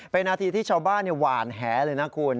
เป็นนาทีที่ชาวบ้านหวานแหเลยนะคุณ